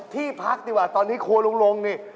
ที่พักดีกว่าตอนนี้ครัวลุงลงนี่